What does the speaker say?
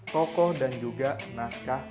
tokoh dan juga naskah